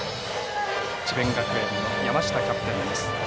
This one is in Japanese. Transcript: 智弁学園の山下キャプテンです。